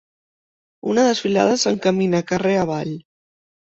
Una desfilada s'encamina carrer avall.